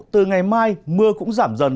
từ ngày mai mưa cũng giảm dần